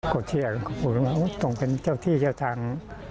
ก็เชื่อก็พูดว่าต้องเป็นเจ้าที่เจ้าทาง